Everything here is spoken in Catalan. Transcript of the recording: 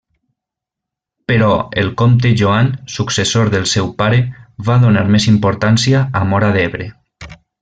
Però el comte Joan, successor del seu pare, va donar més importància a Móra d'Ebre.